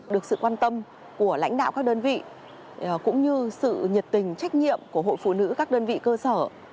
được sự quan tâm của lãnh đạo các đơn vị cũng như sự nhiệt tình trách nhiệm của hội phụ nữ các đơn vị cơ sở